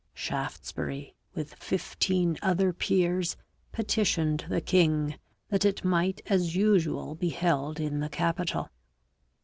Shaftesbury, with fifteen other peers, petitioned the king that it might as usual be held in the capital.